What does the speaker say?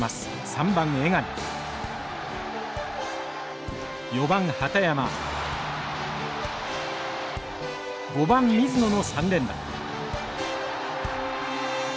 ３番江上４番畠山５番水野の３連打。